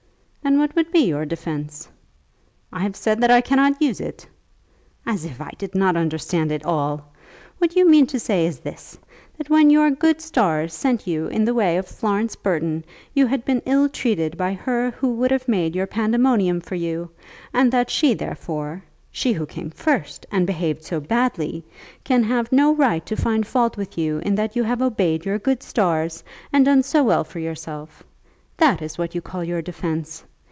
"And what would be your defence?" "I have said that I cannot use it." "As if I did not understand it all! What you mean to say is this, that when your good stars sent you in the way of Florence Burton, you had been ill treated by her who would have made your pandemonium for you, and that she therefore, she who came first and behaved so badly can have no right to find fault with you in that you have obeyed your good stars and done so well for yourself. That is what you call your defence.